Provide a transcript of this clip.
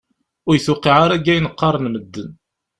Ur yi-tewqiε ara deg ayen qqaren medden.